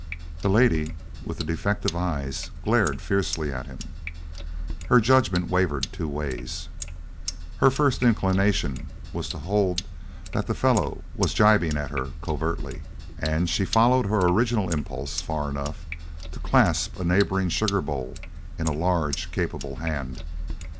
The lady with the defective eyes glared fiercely at him. Her judgment wavered two ways. Her first inclination was to hold that the fellow was jibing at her covertly, and she followed her original impulse far enough to clasp a neighboring sugar bowl in a large, capable hand.